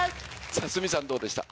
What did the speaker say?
鷲見さんどうでした？